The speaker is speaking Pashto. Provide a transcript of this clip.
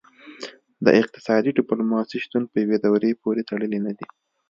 د اقتصادي ډیپلوماسي شتون په یوې دورې پورې تړلی نه دی